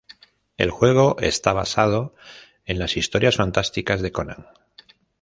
El juego está basado en las historias fantásticas de Conan.